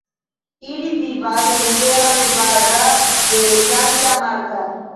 Ili vivas en Sierra Nevada de Santa Marta.